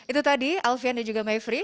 itu tadi alfian dan juga mayfrey